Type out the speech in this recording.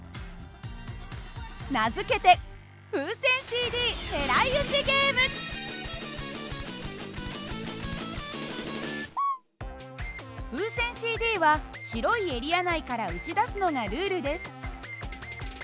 名付けて風船ＣＤは白いエリア内から撃ち出すのがルールです。